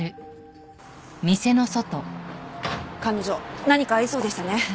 彼女何かありそうでしたね。